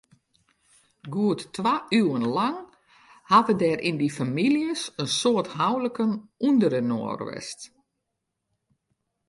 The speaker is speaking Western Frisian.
Goed twa iuwen lang hawwe der yn dy famyljes in soad houliken ûnderinoar west.